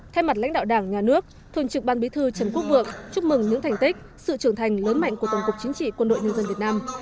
thay mặt lãnh đạo đảng nhà nước thường trực ban bí thư trần quốc vượng chúc mừng những thành tích sự trưởng thành lớn mạnh của tổng cục chính trị quân đội nhân dân việt nam